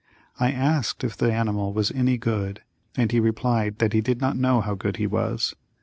I asked if the animal was any good and he replied that he did not know how good he was.